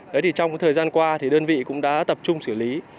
đấy thì trong cái thời gian qua thì đơn vị cũng đã tập trung xử lý